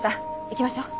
行きましょう。